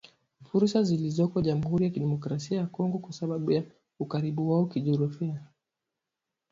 fursa zilizoko jamuhuri ya kidemokrasia ya Kongo kwa sababu ya ukaribu wao kijografia